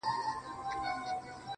خو اوس دي گراني دا درسونه سخت كړل,